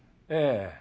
ええ。